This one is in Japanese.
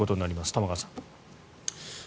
玉川さん。